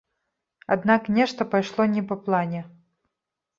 Аднак нешта пайшло не па плане.